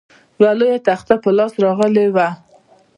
یوه لویه تخته په لاس راغلې وه.